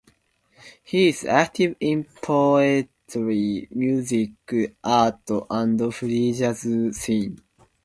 He is active in the poetry, music, art, and free jazz scene.